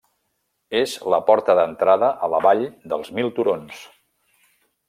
És la porta d'entrada a la Vall dels Mil Turons.